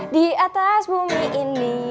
di atas bumi ini